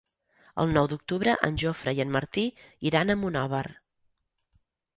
El nou d'octubre en Jofre i en Martí iran a Monòver.